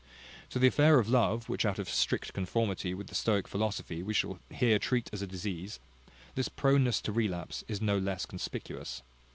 In the affair of love, which, out of strict conformity with the Stoic philosophy, we shall here treat as a disease, this proneness to relapse is no less conspicuous.